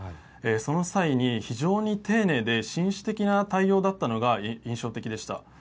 その際に非常に丁寧で紳士的な対応だったのが印象的でした。